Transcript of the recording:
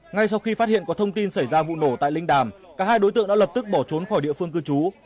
ngay sau khi phát hiện có thông tin xảy ra vụ nổ tại linh đàm cả hai đối tượng đã lập tức bỏ trốn khỏi địa phương cư trú